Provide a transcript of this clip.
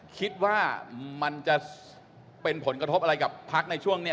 คิดว่ามันจะเป็นผลกระทบอะไรกับพักในช่วงนี้